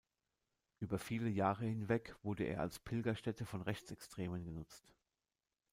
Über viele Jahre hinweg wurde er als Pilgerstätte von Rechtsextremen genutzt.